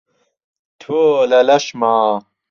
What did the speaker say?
تۆ لە لەشما